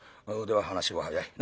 「では話は早い。